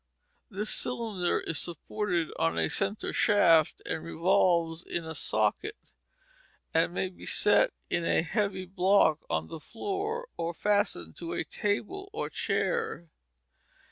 This cylinder is supported on a centre shaft that revolves in a socket, and may be set in a heavy block on the floor or fastened to a table or chair.